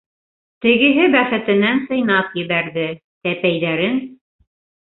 Тегеһе бәхетенән сыйнап ебәрҙе, тәпәйҙәрен